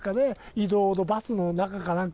移動のバスの中かなんかで。